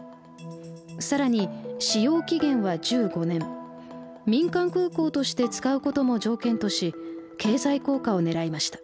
更に使用期限は１５年民間空港として使うことも条件とし経済効果をねらいました。